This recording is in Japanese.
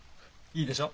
いいでしょ？